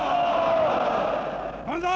万歳！